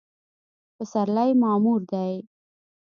پسرلی معمور دی